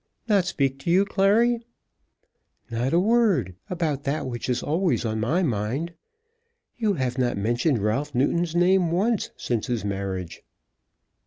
"Not speak to you, Clary?" "Not a word, about that which is always on my mind. You have not mentioned Ralph Newton's name once since his marriage."